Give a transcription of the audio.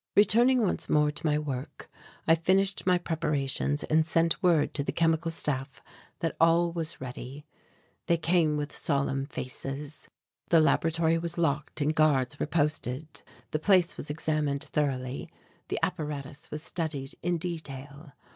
Returning once more to my work I finished my preparations and sent word to the Chemical Staff that all was ready. They came with solemn faces. The laboratory was locked and guards were posted. The place was examined thoroughly, the apparatus was studied in detail.